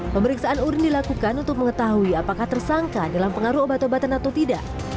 pemeriksaan urin dilakukan untuk mengetahui apakah tersangka dalam pengaruh obat obatan atau tidak